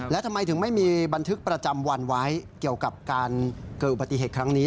และทำไมถึงไม่มีบันทึกประจำวันไว้เกี่ยวกับการเกิดอุบัติเหตุครั้งนี้